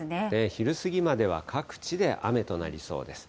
昼過ぎまでは各地で雨となりそうです。